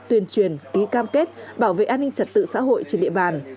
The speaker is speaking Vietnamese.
tuyên truyền ký cam kết bảo vệ an ninh trật tự xã hội trên địa bàn